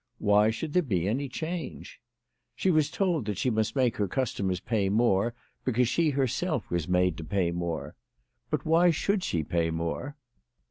Why should there be any change ? She was told that she must make her customers pay more because she herself was made to pay more. But why should she pay more